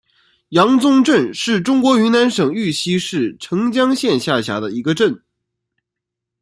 阳宗镇是中国云南省玉溪市澄江县下辖的一个镇。